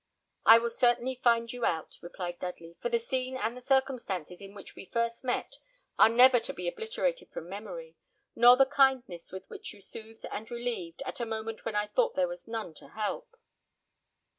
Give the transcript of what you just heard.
"I will certainly find you out," replied Dudley, "for the scene and the circumstances in which we first met are never to be obliterated from memory, nor the kindness with which you soothed and relieved, at a moment when I thought there was none to help."